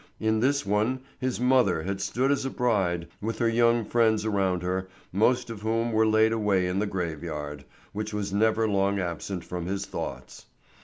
In this one his mother had stood as a bride, with her young friends around her, most of whom were laid away in the graveyard, which was never long absent from his thoughts.